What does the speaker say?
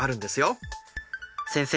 先生